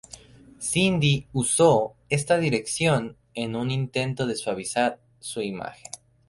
Cyndi usó esta dirección en un intento de suavizar su imagen.